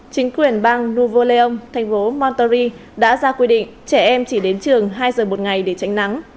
chính quyền bang nuevo león thành phố monterey đã ra quy định trẻ em chỉ đến trường hai giờ một ngày để tránh nắng